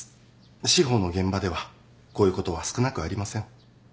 司法の現場ではこういうことは少なくありません。